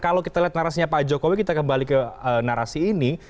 kalau kita lihat narasinya pak jokowi kita kembali ke narasi ini